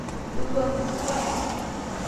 Tugadeḍ aṭas.